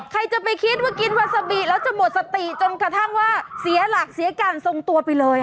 ใครจะไปคิดว่ากินวาซาบิแล้วจะหมดสติจนกระทั่งว่าเสียหลักเสียการทรงตัวไปเลย